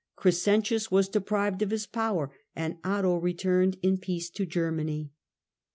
Crescentius was deprived of his power, and Otto returned in peace to Germany.